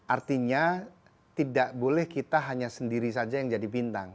artinya tidak boleh kita hanya sendiri saja yang jadi bintang